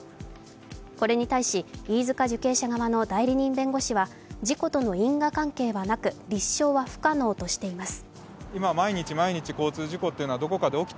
これに対し、飯塚受刑者側の代理人弁護士は事故との因果関係はなく立証は不可能としています。